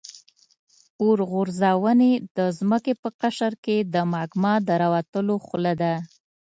اورغورځونې د ځمکې په قشر کې د مګما د راوتلو خوله ده.